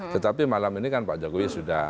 tetapi malam ini kan pak jokowi sudah